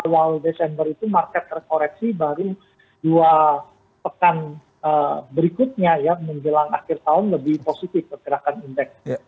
awal desember itu market terkoreksi baru dua pekan berikutnya ya menjelang akhir tahun lebih positif pergerakan indeks